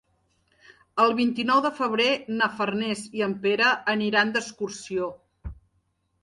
El vint-i-nou de febrer na Farners i en Pere aniran d'excursió.